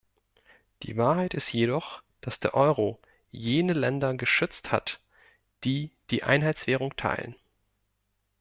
Die Wahrheit ist jedoch, dass der Euro jene Länder geschützt hat, die die Einheitswährung teilen.